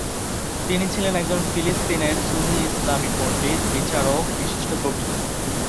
তিনি ছিলেন একজন ফিলিস্তিনের সুন্নি ইসলামি পণ্ডিত, বিচারক, বিশিষ্ট কবি।